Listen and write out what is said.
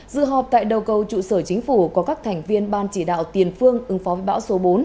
dự họp tại đầu cầu trụ sở chính phủ có các thành viên ban chỉ đạo tiền phương ứng phó bão số bốn